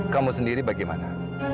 kamu sendiri bagaimana